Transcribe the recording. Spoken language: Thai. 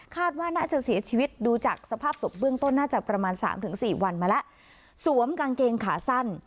ว่าน่าจะเสียชีวิตดูจากสภาพศพเบื้องต้นน่าจะประมาณสามถึงสี่วันมาแล้วสวมกางเกงขาสั้น